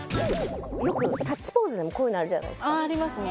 よく立ちポーズでもこういうのあるじゃないですかありますね